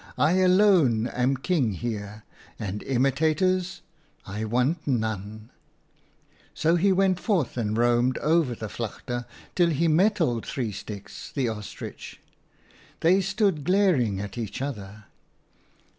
I alone am King here, and imitators — I want none/ " So he went forth and roamed over the vlakte till he met old Three Sticks, the Ostrich. They stood glaring at each other.